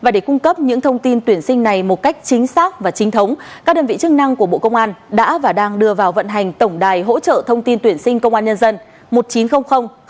để cung cấp những thông tin tuyển sinh này một cách chính xác và chính thống các đơn vị chức năng của bộ công an đã và đang đưa vào vận hành tổng đài hỗ trợ thông tin tuyển sinh công an nhân dân một nghìn chín trăm linh